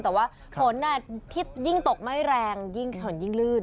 แต่ว่าฝนที่ยิ่งตกไม่แรงยิ่งถนนยิ่งลื่น